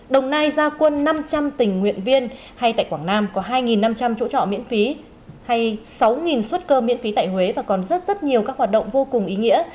đồng nai ra quân năm trăm linh tình nguyện viên hay tại quảng nam có hai năm trăm linh chỗ trọ miễn phí hay sáu suất cơm miễn phí tại huế và còn rất rất nhiều các hoạt động vô cùng ý nghĩa